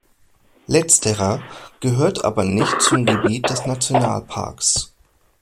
Letzterer gehört aber nicht zum Gebiet des Nationalparks.